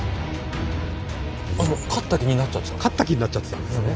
勝った気になっちゃってたんですね。